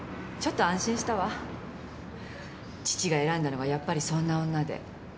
父が選んだのがやっぱりそんな女で。